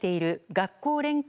学校連携